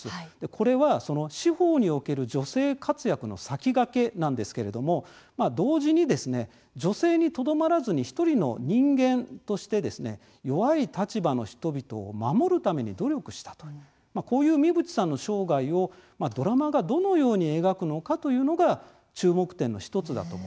これは、司法における女性活躍の先駆けなんですけれども、同時に女性にとどまらずに１人の人間としてですね弱い立場の人々を守るために努力したとこういう三淵さんの生涯をドラマがどのように描くのかというのが注目点の１つだと思いますね。